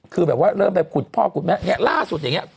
คือแบบว่าเริ่มไปขุดพ่อขุดแม่เนี่ยล่าสุดอย่างนี้